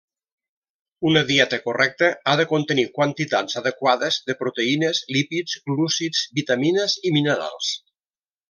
Una dieta correcta ha de contenir quantitats adequades de proteïnes, lípids, glúcids, vitamines i minerals.